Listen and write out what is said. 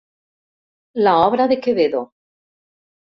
La obra de Quevedo.